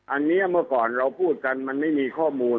อันนี้เมื่อก่อนเราพูดกันมันไม่มีข้อมูล